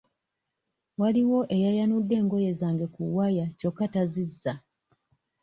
Waliwo eyayanudde engoye zange ku waya kyokka tazizza.